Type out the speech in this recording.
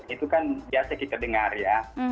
itu kan biasa kita dengar ya